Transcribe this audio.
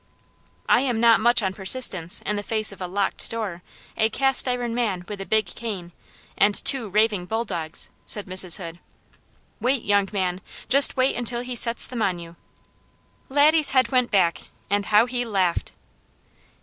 "I am not much on persistence in the face of a locked door, a cast iron man with a big cane, and two raving bulldogs," said Mrs. Hood. "Wait, young man! Just wait until he sets them on you." Laddie's head went back and how he laughed.